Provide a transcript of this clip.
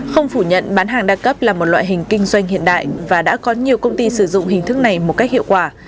không phủ nhận bán hàng đa cấp là một loại hình kinh doanh hiện đại và đã có nhiều công ty sử dụng hình thức này một cách hiệu quả